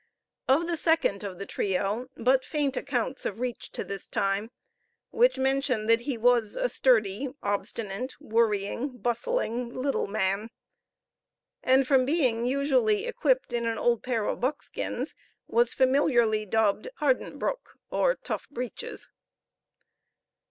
Of the second of the trio but faint accounts have reached to this time, which mention that he was a sturdy, obstinate, worrying, bustling little man; and, from being usually equipped in an old pair of buckskins, was familiarly dubbed Harden Broeck, or Tough Breeches.